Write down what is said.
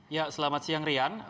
ya selamat siang rian